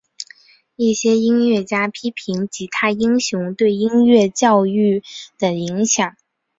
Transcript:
一些音乐家批评吉他英雄对音乐教育的影响。